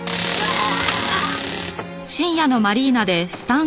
ああ！